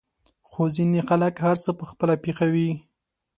خو ځينې خلک هر څه په خپله پېښوي.